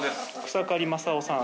草刈正雄さん。